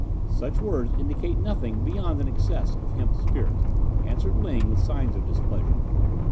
"Such words indicate nothing beyond an excess of hemp spirit," answered Ling, with signs of displeasure.